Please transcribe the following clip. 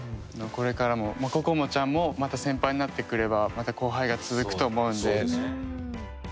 これからも、心椛ちゃんもまた先輩になってくればまた後輩が続くと思うので。